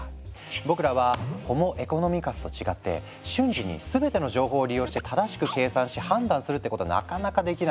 僕らはホモ・エコノミカスと違って瞬時に全ての情報を利用して正しく計算し判断するってことはなかなかできないよね。